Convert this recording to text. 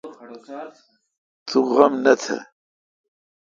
تو غم نہ تھ۔